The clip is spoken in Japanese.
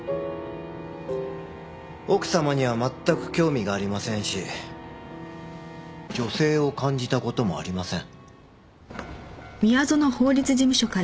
奥様には全く興味がありませんし女性を感じた事もありません。